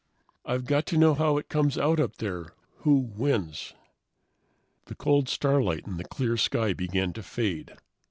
"I've got to know how it comes out up there, who wins." The cold starlight of the clear sky began to fade.